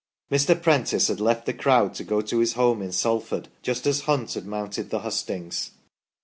Mr. Prentice had left the crowd to go to his home in Salford just as Hunt had mounted the hustings.